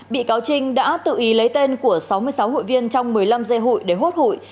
bị cáo trinh đã tự ý lấy tên của sáu mươi sáu hụi viên trong một mươi năm dây hụi để hốt hụi